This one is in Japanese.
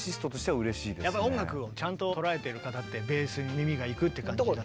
やっぱり音楽をちゃんと捉えてる方ってベースに耳がいくっていう感じだと。